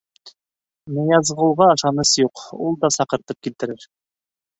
Ныязғолға ышаныс юҡ, ул да саҡыртып килтерер.